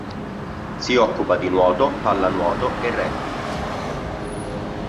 Si occupa di nuoto, pallanuoto e rugby.